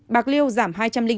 bạc liêu giảm hai trăm linh ba